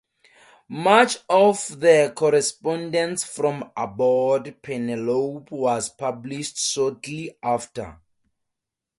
Much of the correspondence from aboard "Penelope" was published shortly after.